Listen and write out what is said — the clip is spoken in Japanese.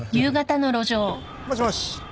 もしもし。